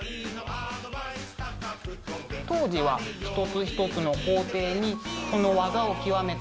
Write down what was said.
当時は一つ一つの工程にこの技を極めた名人たちがいて。